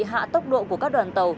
hạ tốc độ của các đoàn tàu